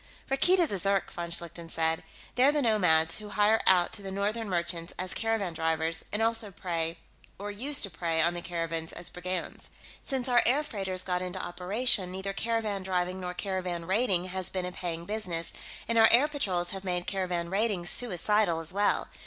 "Rakkeed is a Zirk," von Schlichten said. "They're the nomads who hire out to the northern merchants as caravan drivers, and also prey, or used to prey, on the caravans as brigands. Since our air freighters got into operation, neither caravan driving nor caravan raiding has been a paying business, and our air patrols have made caravan raiding suicidal as well.